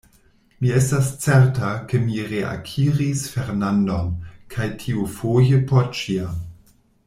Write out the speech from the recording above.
Mi estas certa, ke mi reakiris Fernandon, kaj tiufoje por ĉiam.